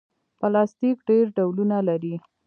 پلاستيک ډېر ډولونه لري.